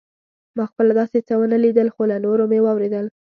ما خپله داسې څه ونه لیدل خو له نورو مې واورېدل.